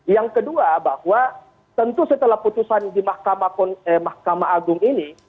yang kedua bahwa tentu setelah putusan di mahkamah agung ini